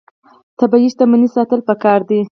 طبیعي شتمنۍ ساتل پکار دي.